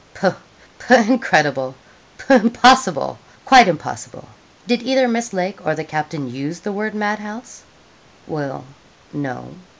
Pooh, pooh! incredible! Pooh! impossible quite impossible. Did either Miss Lake or the captain use the word mad house?' 'Well, no.'